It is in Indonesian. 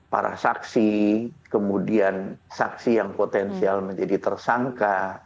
para saksi kemudian saksi yang potensial menjadi tersangka